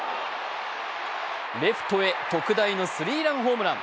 レフトへ特大のスリーランホームラン。